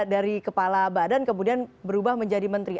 dari kepala badan kemudian berubah menjadi menteri